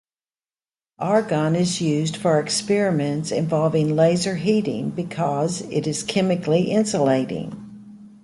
Argon is used for experiments involving laser heating because it is chemically insulating.